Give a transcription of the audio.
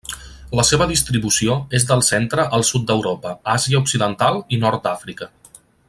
La seva distribució és del centre al sud d'Europa, Àsia occidental i nord d'Àfrica.